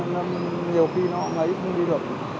nhiều khi nó ấy không đi được